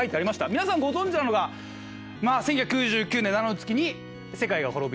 皆さんご存じなのが１９９９年７の月に世界が滅びる。